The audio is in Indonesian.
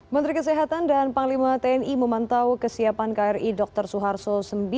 menteri kesehatan dan panglima tni memantau kesiapan kri dr suharto sembilan ratus sembilan puluh